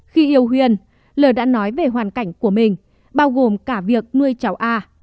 khi yêu huyên l đã nói về hoàn cảnh của mình bao gồm cả việc nuôi cháu a